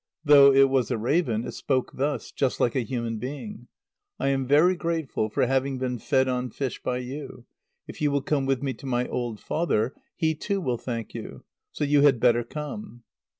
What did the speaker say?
Though it was a raven, it spoke thus, just like a human being: "I am very grateful for having been fed on fish by you. If you will come with me to my old father, he too will thank you. So you had better come."